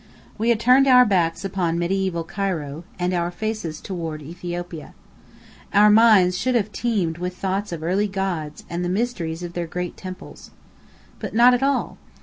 We had turned our backs upon medieval Cairo, and our faces toward Ethiopia. Our minds should have teemed with thoughts of early gods, and the mysteries of their great temples. But not at all.